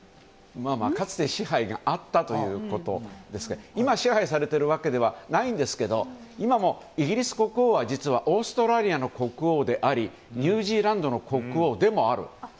かつて支配があったということですけど今支配されているわけではないんですが今もイギリス国王は実はオーストラリアの国王でありニュージーランドの国王でもある。